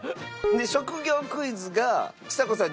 職業クイズがちさ子さん